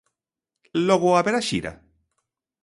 Logo haberá xira?